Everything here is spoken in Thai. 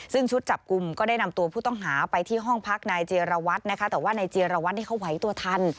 ซึ่งชุดจับกลุ่มก็ได้นำตัวผู้ต้องหาไปที่ห้องพักนายเจรวัตรนะคะแต่ว่านายเจียรวัตรนี่เขาไหวตัวทัน